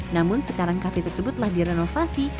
namun sekarang kafe tersebut telah direnovasi